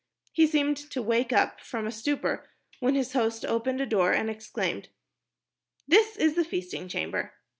He seemed to wake up from a stupor when his host opened a door and exclaimed, "This is the feasting chamber."